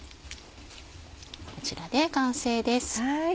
こちらで完成です。